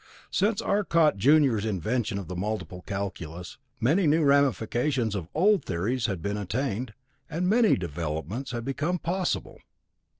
Since Arcot junior's invention of the multiple calculus, many new ramifications of old theories had been attained, and many developments had become possible.